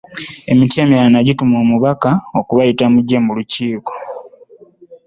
Emiti emirala ne gituma omubaka okubuyita, bujje mu lukiiko.